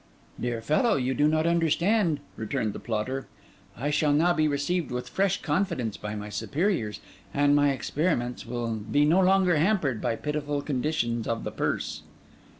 'Dear fellow, you do not understand,' returned the plotter. 'I shall now be received with fresh confidence by my superiors; and my experiments will be no longer hampered by pitiful conditions of the purse.